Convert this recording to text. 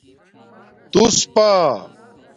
تُوس پݳ